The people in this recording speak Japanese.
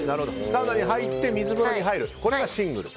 サウナに入って水風呂に入るこれがシングル。